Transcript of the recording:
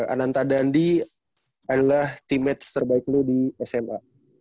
ananta dandi adalah teammates terbaik lu di sma